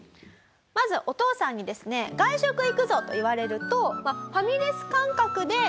まずお父さんにですね「外食行くぞ！」と言われると。